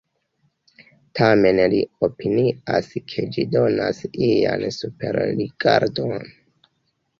Tamen li opinias ke ĝi donas ian superrigardon.